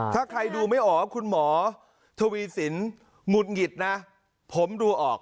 ถ้าใครดูไม่ออกว่าคุณหมอทวีสินหงุดหงิดนะผมดูออก